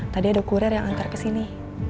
tadi ada kurir yang antar kesini